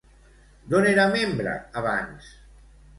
D'on era membre abans?